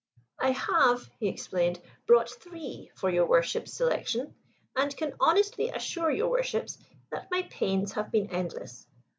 "I have," he explained, "brought three for your Worships' selection, and can honestly assure your Worships that my pains have been endless.